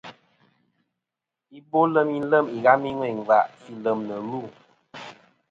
Ibolem ilem ìghami ŋweyn ngva fi lem nɨ lu'.